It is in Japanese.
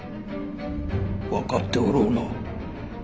分かっておろうな。